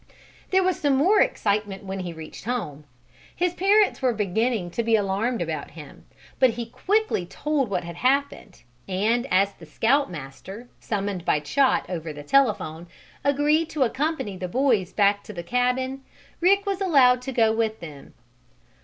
There was some more excitement when he reached home. His parents were beginning to be alarmed about him. But he quickly told what had happened, and as the Scout Master, summoned by Chot over the telephone, agreed to accompany the boys back to the cabin, Rick was allowed to go with them.